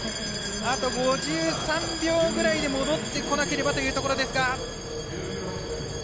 あと５３秒ぐらいで戻ってこなければというところですが。